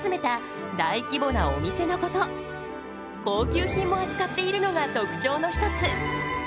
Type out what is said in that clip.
高級品も扱っているのが特徴の一つ。